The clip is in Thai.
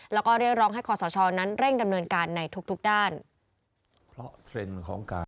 แล้วก็เรียกร้องให้คอสชนั้นเร่งดำเนินการในทุกด้าน